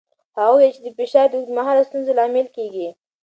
هغه وویل چې فشار د اوږدمهاله ستونزو لامل کېږي.